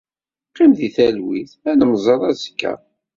Qqim deg talwit. Ad nemmẓer azekka.